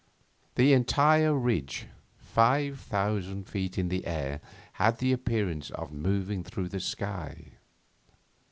The entire ridge, five thousand feet in the air, had an appearance of moving through the sky.